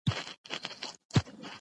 پر سړک روان دى په موبایل خبرې کوي